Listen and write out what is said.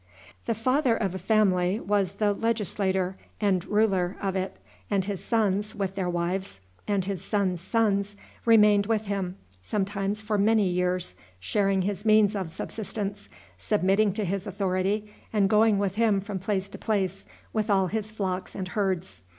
] The father of a family was the legislator and ruler of it, and his sons, with their wives, and his son's sons, remained with him, sometimes for many years, sharing his means of subsistence, submitting to his authority, and going with him from place to place, with all his flocks and herds.